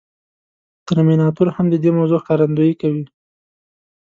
ترمیناتور هم د دې موضوع ښکارندويي کوي.